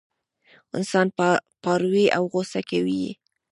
انسان پاروي او غوسه کوي یې.